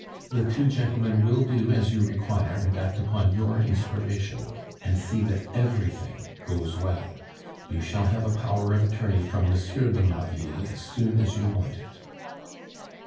The two gentlemen will do as you require and act upon your inspiration; and see that everything goes well. You shall have a power of attorney from M. de Marville as soon as you want it."